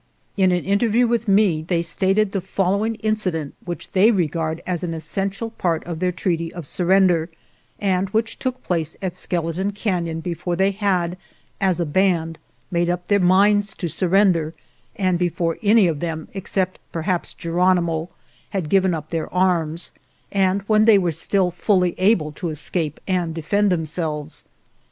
" In an interview with me they stated the following incident, which they regard as an essential part of their treaty of surrender, and which took place at Skeleton Canon before they had, as a band, made up their minds to surrender, and before any of them, except perhaps Geronimo, had given up their arms, and when they were still fully able to escape and defend themselves.